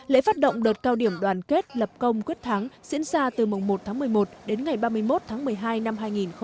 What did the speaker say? lễ phát động đợt cao điểm đoàn kết lập công quyết thắng diễn ra từ mùng một tháng một mươi một đến ngày ba mươi một tháng một mươi hai năm hai nghìn một mươi chín